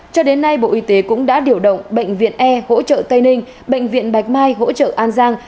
cho đến nay bộ y tế cũng đã điều động bệnh viện e hỗ trợ tây ninh bệnh viện bạch mai hỗ trợ an giang